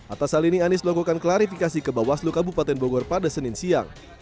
atas hal ini anies melakukan klarifikasi ke bawaslu kabupaten bogor pada senin siang